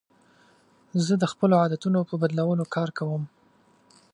زه د خپلو عادتونو په بدلولو کار کوم.